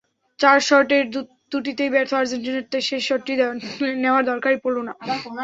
চার শটের দুটিতেই ব্যর্থ আর্জেন্টিনার তাই শেষ শটটি নেওয়ার দরকারই পড়ল না।